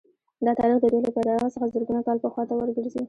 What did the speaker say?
دا تاریخ د دوی له پیدایښت څخه زرګونه کاله پخوا ته ورګرځي